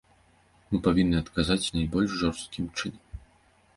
Мы павінны адказаць найбольш жорсткім чынам.